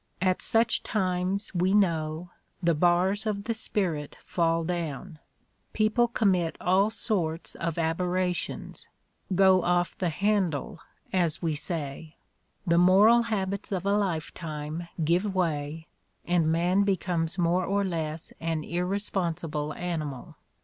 At such times, we know, the bars of the spirit fall down; people commit all sorts of aberrations, "go off the han dle," as we say; the moral habits of a lifetime give way and man becomes more or less an irresponsible animal.